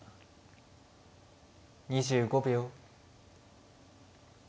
２５秒。